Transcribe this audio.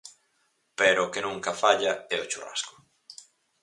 Pero o que nunca falla é o churrasco.